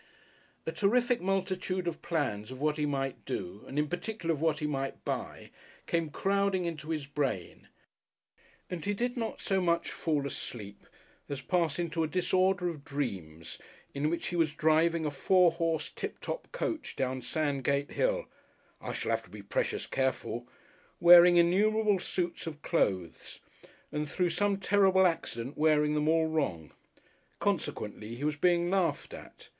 A terrific multitude of plans of what he might do and in particular of what he might buy, came crowding into his brain, and he did not so much fall asleep as pass into a disorder of dreams in which he was driving a four horse Tip Top coach down Sandgate Hill ("I shall have to be precious careful"), wearing innumerable suits of clothes, and through some terrible accident wearing them all wrong. Consequently he was being laughed at.